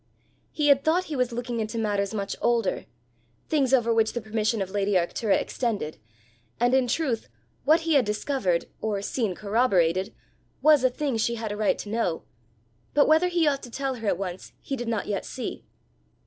He had thought he was looking into matters much older things over which the permission of lady Arctura extended; and in truth what he had discovered, or seen corroborated, was a thing she had a right to know! but whether he ought to tell her at once he did not yet see.